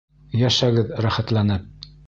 Йәшәгеҙ рәхәтләнеп!